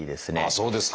そうですか。